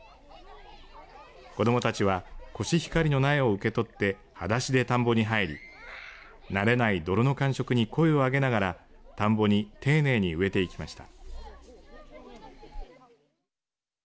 子どもたちはコシヒカリの苗を受け取ってはだしで田んぼに入り慣れない泥の感触に声を上げながら田んぼにていねいに植えていきました。